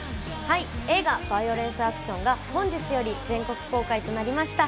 映画『バイオレンスアクション』が本日より全国公開となりました。